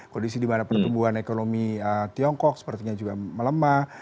kondisi di mana pertumbuhan ekonomi tiongkok sepertinya juga melemah